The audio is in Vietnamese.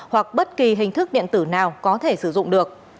hoặc bất kỳ hình thức điện tử nào có thể sử dụng được